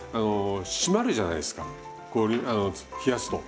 締まるじゃないですか冷やすと。